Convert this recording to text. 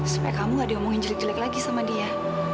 supaya kamu gak diomongin jelek jelek lagi sama dia